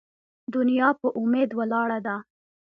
ـ دنيا په اميد ولاړه ده.